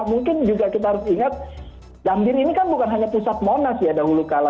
mungkin juga kita harus ingat gambir ini kan bukan hanya pusat monas ya dahulu kala